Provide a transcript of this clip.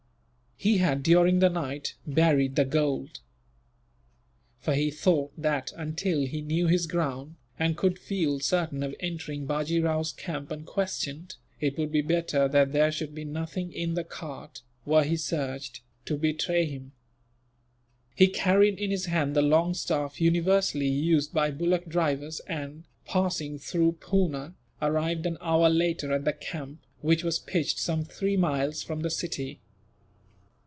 He had, during the night, buried the gold; for he thought that, until he knew his ground, and could feel certain of entering Bajee Rao's camp unquestioned, it would be better that there should be nothing in the cart, were he searched, to betray him. He carried in his hand the long staff universally used by bullock drivers and, passing through Poona, arrived an hour later at the camp, which was pitched some three miles from the city.